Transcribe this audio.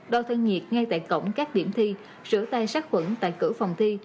đo thân nhiệt ngay tại cổng các điểm thi sửa tay sát khuẩn tại cửa phòng thi